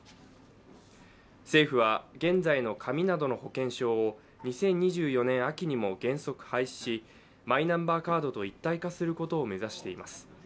政府は、現在の紙などの保険証を２０２４年秋にも原則廃止しマイナンバーカードと一体化することを目指しています。